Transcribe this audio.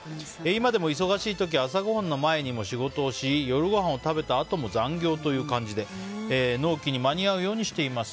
今でも忙しい時は朝ごはんの前にも仕事をし夜ごはんを食べたあとにも残業という感じで納期に間に合うようにしています。